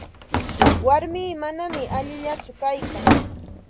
Warmii manam allillakutsu kaykan.